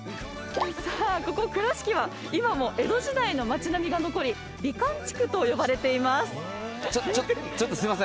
さあここ倉敷は今も江戸時代の街並みが残り美観地区と呼ばれています。